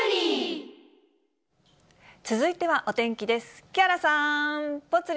続いてはお天気です。